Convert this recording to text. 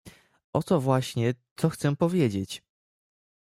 "Oto właśnie, co chcę powiedzieć!"